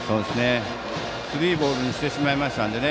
スリーボールにしてしまいましたのでね。